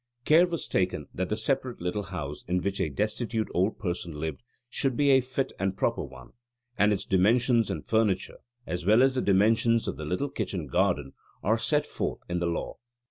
Care was taken that the separate little house in which a destitute old person lived should be a fit and proper one; and its dimensions and furniture, as well as the dimensions of the little kitchen garden, are set forth in the law.